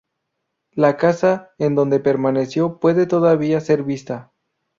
La casa en donde permaneció puede todavía ser vista.